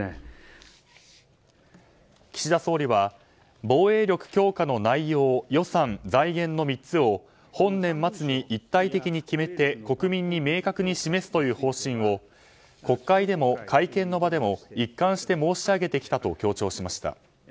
岸田総理は防衛力強化の内容、予算、財源の３つを本年末に一体的に決めて国民に明確に示すという方針を国会でも会見の場でも一貫して申し上げてきたと強調しました。